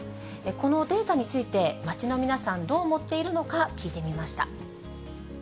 このデータについて、街の皆さん、どう思っているのか聞いてみまし